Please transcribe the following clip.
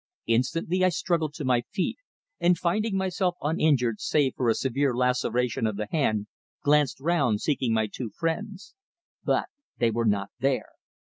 Instantly I struggled to my feet, and finding myself uninjured save for a severe laceration of the hand, glanced round seeking my two friends. But they were not there!